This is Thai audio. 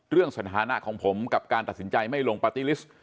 เรื่องสัญภาณะของผมกับการตัดสินใจไม่ลงปาร์ตี้ลิสค์